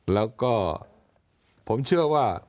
แล้วก็ผมเชื่อว่า